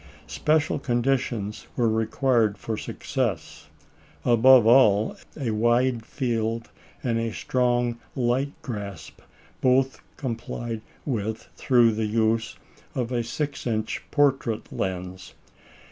Special conditions were required for success; above all, a wide field and a strong light grasp, both complied with through the use of a 6 inch portrait lens.